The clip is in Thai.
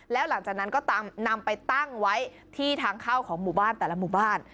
แล้วหลังจากนั้นก็นำไปตั้งไว้ที่ทางเข้าของหมู่บ้านแต่ละหมู่บ้าน